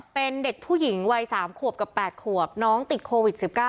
เป็นเด็กผู้หญิงวัย๓ขวบกับ๘ขวบน้องติดโควิด๑๙